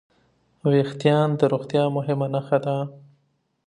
وېښتيان د روغتیا مهمه نښه ده.